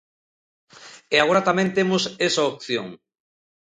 E agora tamén temos esa opción.